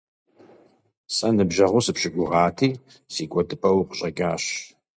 Сэ ныбжьэгъуу сыпщыгугъати, си кӀуэдыпӀэу укъыщӀэкӀащ.